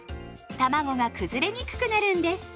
たまごが崩れにくくなるんです。